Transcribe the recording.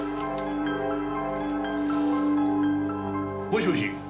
もしもし。